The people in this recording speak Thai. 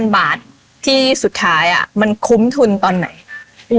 บาทที่สุดท้ายมันคุ้มทุนตอนไหน